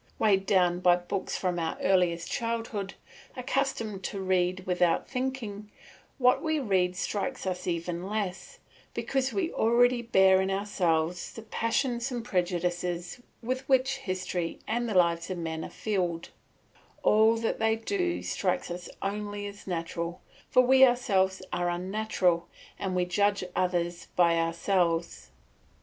Weighed down by books from our earliest childhood, accustomed to read without thinking, what we read strikes us even less, because we already bear in ourselves the passions and prejudices with which history and the lives of men are filled; all that they do strikes us as only natural, for we ourselves are unnatural and we judge others by ourselves.